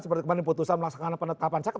seperti kemarin putusan melaksanakan penetapan cakep